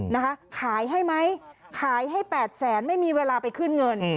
นะคะขายให้ไหมขายให้๘แสนไม่มีเวลาไปขึ้นเงิน